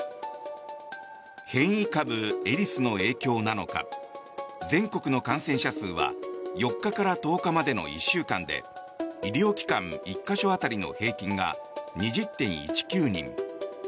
変異株エリスの影響なのか全国の感染者数は４日から１０日までの１週間で医療機関１か所当たりの平均が２０．１９人。